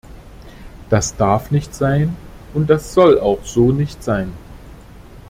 Das darf nicht sein, und das soll auch so nicht sein.